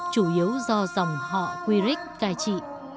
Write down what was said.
chủ yếu do dòng họ quirik cai trị